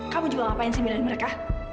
kamu juga ngapain sembilan mereka